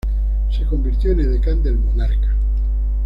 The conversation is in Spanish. Se convirtió en edecán del monarca.